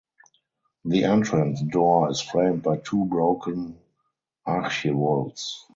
The entrance door is framed by two broken Archivolts.